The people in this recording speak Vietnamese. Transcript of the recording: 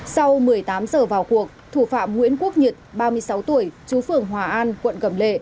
sau một mươi tám giờ vào cuộc thủ phạm nguyễn quốc nhật ba mươi sáu tuổi chú phường hòa an quận cầm lệ